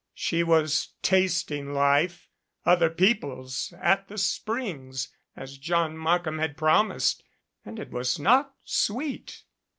She was tasting life, other people's, at the springs, as John Mark ham had promised, and it was not sweet.